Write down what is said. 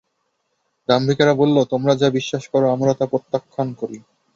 দাম্ভিকেরা বলল, তোমরা যা বিশ্বাস কর আমরা তা প্রত্যাখ্যান করি।